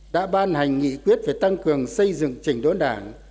đã ban hành nghị quyết về tăng cường xây dựng trình đốn đảng